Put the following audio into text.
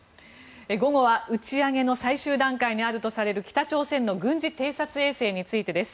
午後は、打ち上げの最終段階にあるとされる北朝鮮の軍事偵察衛星についてです。